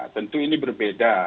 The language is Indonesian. tentu ini berbeda